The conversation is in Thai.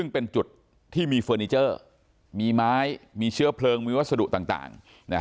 ซึ่งเป็นจุดที่มีเฟอร์นิเจอร์มีไม้มีเชื้อเพลิงมีวัสดุต่าง